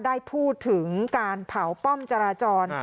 ได้พูดถึงการเผาป้อมจราจร